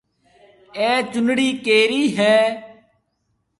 اَي چونڙِي ڪَيري هيَ؟